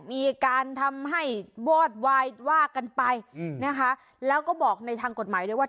มีการทำให้วอดวายว่ากันไปนะคะแล้วก็บอกในทางกฎหมายด้วยว่า